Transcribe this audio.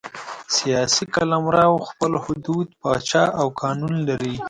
سیاسي قلمرو خپل حدود، پاچا او قانون لري.